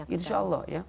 insya allah ya